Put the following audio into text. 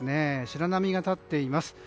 白波が立っています。